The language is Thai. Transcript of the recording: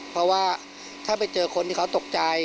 เพราะว่าถ้าไปเจอคนที่เขาตกใจ